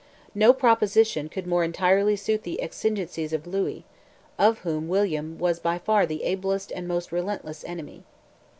No proposition could more entirely suit the exigencies of Louis, of whom William was by far the ablest and most relentless enemy.